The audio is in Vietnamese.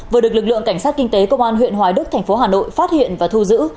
vừa được lực lượng cảnh sát kinh tế công an huyện hoài đức thành phố hà nội phát hiện và thu giữ